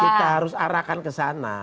kita harus arahkan kesana